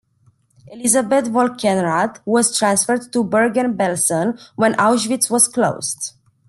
Elisabeth Volkenrath was transferred to Bergen-Belsen when Auschwitz was closed.